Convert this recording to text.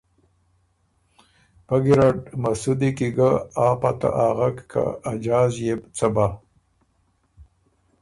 پۀ ګېرډ مسُودی کی ګۀ ا پته اغک که ا جاز يې بُو څۀ بۀ۔